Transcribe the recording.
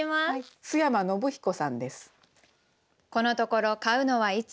須山暢彦さんです。